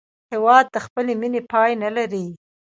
هېواد د خپلې مینې پای نه لري.